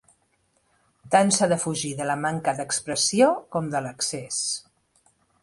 Tant s'ha de fugir de la manca d'expressió com de l'excés.